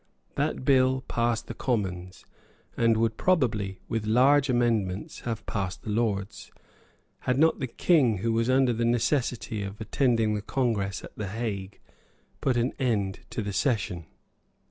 That Bill passed the Commons, and would probably, with large amendments, have passed the Lords, had not the King, who was under the necessity of attending the Congress at the Hague, put an end to the session.